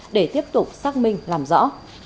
để tiếp tục xác minh làm rõ